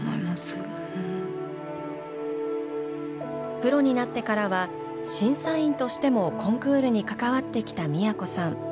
プロになってからは審査員としてもコンクールに関わってきた都さん。